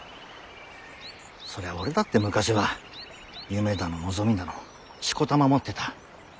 そりゃ俺だって昔は夢だの望みだのしこたま持ってた。